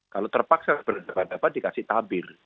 kalau terpaksa berhadapan dikasih tabir